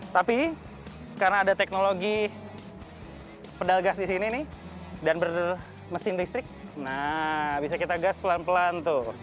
tapi karena ada teknologi pedal gas di sini nih dan bermesin listrik nah bisa kita gas pelan pelan tuh